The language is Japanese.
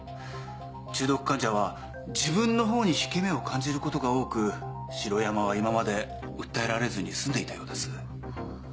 中毒患者は自分のほうに引け目を感じることが多く城山は今まで訴えられずにすんでいたようです。